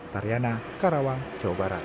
tariana karawang jawa barat